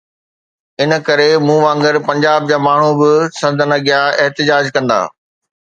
ان ڪري مون وانگر پنجاب جا ماڻهو به سندن اڳيان احتجاج ڪندا.